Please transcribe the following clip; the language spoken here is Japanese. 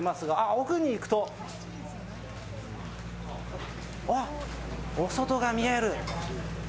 奥に行くと、お外が見える。